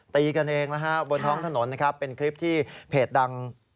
ตีกันเองนะฮะบนท้องถนนนะครับเป็นคลิปที่เพจดัง